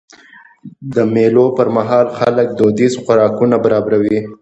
د مېلو پر مهال خلک دودیز خوراکونه برابروي.